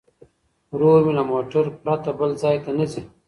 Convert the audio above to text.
ورور مې له موټر پرته بل ځای ته نه ځي.